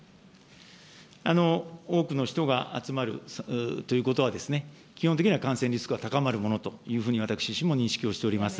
多くの人が集まるということは、基本的には感染リスクが高まるものというふうに私自身も認識をしております。